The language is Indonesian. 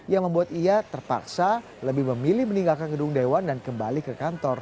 yang membuat ia terpaksa lebih memilih meninggalkan gedung dewan dan kembali ke kantor